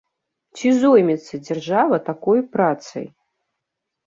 Ці зоймецца дзяржава такой працай?